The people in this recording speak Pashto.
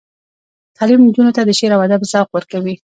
تعلیم نجونو ته د شعر او ادب ذوق ورکوي.